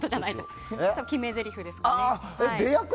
決めぜりふですね。